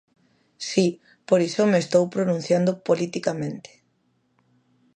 Si, por iso me estou pronunciando politicamente.